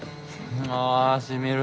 あしみる。